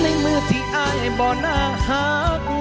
ในมือที่อายบ่อน่าหัก